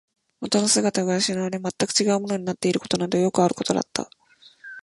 元の姿が失われ、全く違うものになっていることなどよくあることだった